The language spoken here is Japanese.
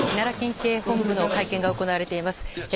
奈良県警本部の会見が行われています。